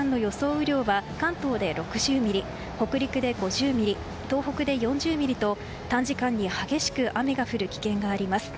雨量は関東で６０ミリ、北陸で５０ミリ東北で４０ミリと短時間に激しく雨が降る危険があります。